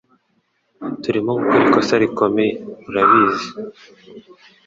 Turimo gukora ikosa rikomeye, urabizi.